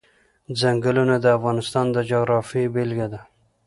ځنګلونه د افغانستان د جغرافیې بېلګه ده.